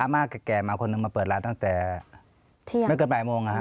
มากกับแกมาคนหนึ่งมาเปิดร้านตั้งแต่เที่ยงไม่เกิดบ่ายโมงค่ะ